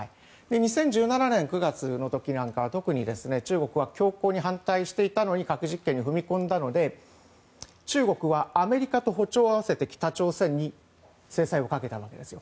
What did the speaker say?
２０１７年９月の時なんかは特に中国は強硬に反対していたのに核実験に踏み込んだので中国はアメリカと歩調を合わせて北朝鮮に制裁をかけたわけです。